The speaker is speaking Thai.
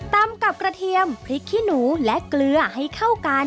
ตำกับกระเทียมพริกขี้หนูและเกลือให้เข้ากัน